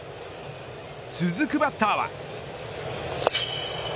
続くバッターは。